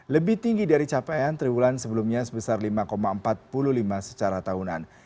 lebih tinggi dari capaian tribulan sebelumnya sebesar lima empat puluh lima secara tahunan